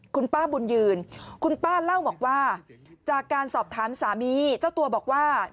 คุณป้าบุญยืนคุณป้าเล่าบอกว่าจากการสอบถามสามีเจ้าตัวบอกว่า